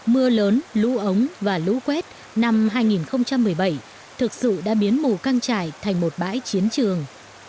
mưa lớn lũ ống và lũ quét năm hai nghìn một mươi bảy thực sự đã biến mù căng trải thành một bãi chiến trường